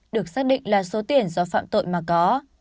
được xác định là số tiền do phạm tội mà có